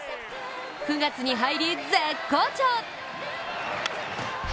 ９月に入り、絶好調。